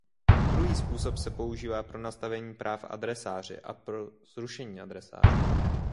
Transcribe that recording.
Druhý způsob se používá pro nastavení práv adresáři a pro zrušení adresáře.